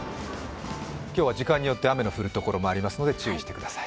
今日は時間によって雨の降る所もありますので注意してください。